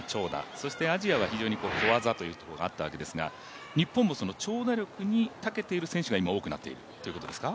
そしてアジアは非常に小技というところがあったんですが日本も、長打力にたけている選手が多くなっているということですか？